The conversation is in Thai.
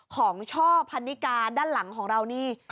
ช่อพันนิกาด้านหลังของเรานี่